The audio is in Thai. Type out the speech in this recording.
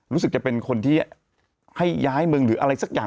รู้สึกจะเป็นคนที่ให้ย้ายเมืองหรืออะไรสักอย่าง